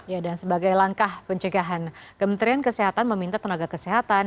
ya dan sebagai langkah pencegahan kementerian kesehatan meminta tenaga kesehatan